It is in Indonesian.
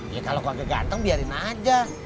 ya kalau keluarga ganteng biarin aja